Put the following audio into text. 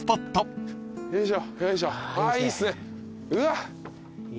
あよいしょ。